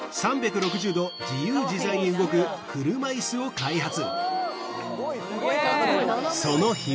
３６０度自由自在に動く車椅子を開発